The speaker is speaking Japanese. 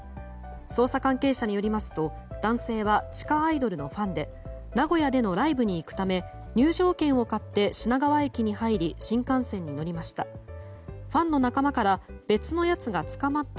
捜査関係者によりますと男性は地下アイドルのファンで名古屋でのライブに行くため入場券を買って品川駅に入り新幹線に乗りました。